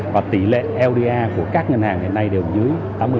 và tỷ lệ lda của các ngân hàng hiện nay đều dưới tám mươi